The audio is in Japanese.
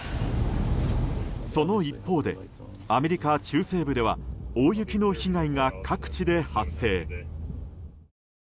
その一方で、アメリカ中西部では大雪の被害が各地で発生。